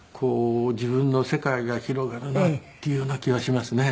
自分の世界が広がるなっていうような気はしますね。